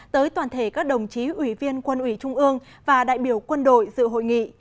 tới toàn thể các đồng chí ủy viên quân ủy trung ương và đại biểu quân đội dự hội nghị